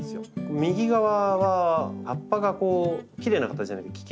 右側は葉っぱがこうきれいな形じゃなくて奇形になって。